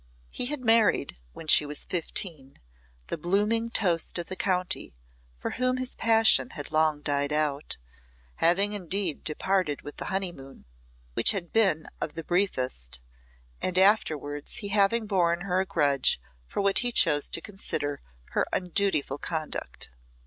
He had married, when she was fifteen, the blooming toast of the county, for whom his passion had long died out, having indeed departed with the honeymoon, which had been of the briefest, and afterwards he having borne her a grudge for what he chose to consider her undutiful conduct.